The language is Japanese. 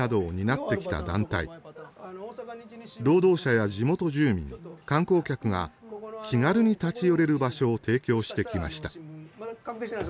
労働者や地元住民観光客が気軽に立ち寄れる場所を提供してきました。